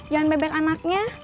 jangan bebek anaknya